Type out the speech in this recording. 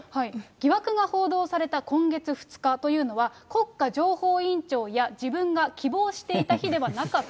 疑惑が報道された今月２日というのは、国家情報院長や自分が希望していた日ではなかった。